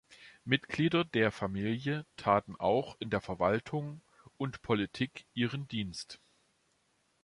Mitglieder der Familie taten auch in der Verwaltung und Politik ihren Dienst.